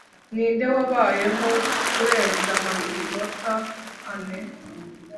ninde wabayeho kurenza amanota ane